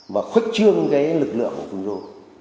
và khuếch trương lực lượng của fungro